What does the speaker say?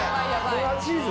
粉チーズ？